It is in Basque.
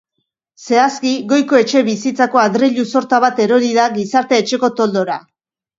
Zehazki, goiko etxebizitzako adreilu sorta bat erori da gizarte-etxeko toldora.